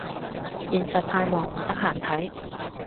現實太忙唔得閒睇